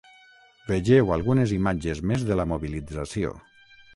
Vegeu algunes imatges més de la mobilització.